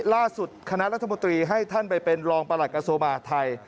ล่าสุดคณะรัฐมนตรีให้ท่านไปเป็นรองประหลัดกระทรวงมหาทัย